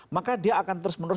maka dia akan terus menerus